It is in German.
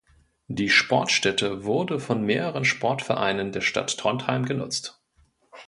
Die Sportstätte wurde von mehreren Sportvereinen der Stadt Trondheim genutzt.